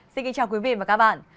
xin kính chào quý vị và các bạn